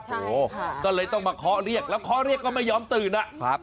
โหตั้งแต่ต้องมาเคาะเรียกแล้วเคาะเรียกก็ไม่ยอมตื่นนะ